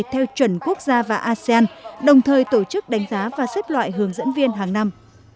theo chuẩn quốc gia và asean đồng thời tổ chức đánh giá và xếp loại hướng dẫn viên hàng năm